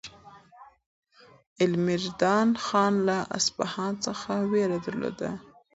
علیمردان خان له اصفهان څخه وېره درلوده.